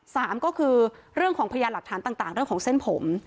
สามก็คือเรื่องของพยานหลักฐานต่างเรื่องของเส้นผม